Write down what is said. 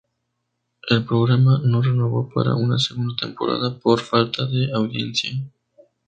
El programa no renovó para una segunda temporada por falta de audiencia.